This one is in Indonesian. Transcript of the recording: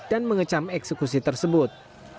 dan mengecam eksekusi tersebut